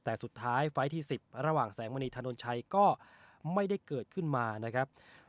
แต่สุดท้ายไฟล์ที่๑๐ระหว่างแสงมณีถนนชัยก็ไม่ได้เกิดขึ้นมานะครับ